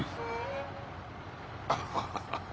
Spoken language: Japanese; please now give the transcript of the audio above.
ハハハハハ。